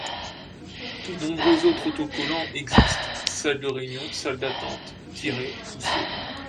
De nombreux autres autocollants existent : salle de réunion, salle d’attente, tirez / poussez...